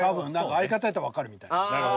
相方やったらわかるみたいな。